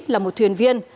là một thuyền viên